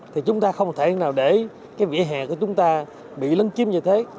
thì chúng ta không thể nào để cái vỉa hè của chúng ta bị lấn chiếm như thế